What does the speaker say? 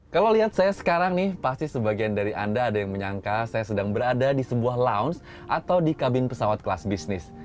kalau lihat saya sekarang nih pasti sebagian dari anda ada yang menyangka saya sedang berada di sebuah lounge atau di kabin pesawat kelas bisnis